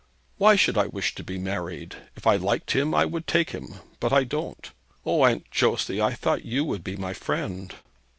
'Why should I wish to be married? If I liked him, I would take him, but I don't. O, Aunt Josey, I thought you would be my friend!'